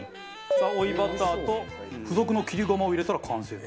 さあ追いバターと付属の切り胡麻を入れたら完成。